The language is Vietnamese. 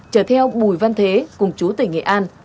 chở theo bùi văn thế cùng chú tỉnh nghệ an